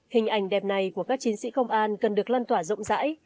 hình ảnh đẹp này của các chiến sĩ công an cần được lan tỏa rộng rãi